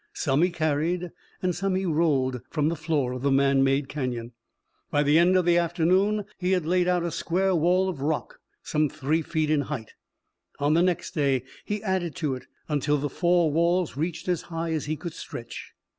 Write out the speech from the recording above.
Some he carried and some he rolled from the floor of the man made canyon. By the end of the afternoon he had laid out a square wall of rock some three feet in height. On the next day he added to it until the four walls reached as high as he could stretch.